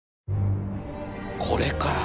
これか！